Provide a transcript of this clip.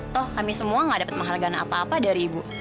toh kami semua gak dapat menghargaan apa apa dari ibu